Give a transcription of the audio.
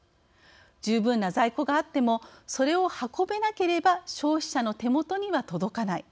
十分な在庫があってもそれを運べなければ消費者の手元には届かない。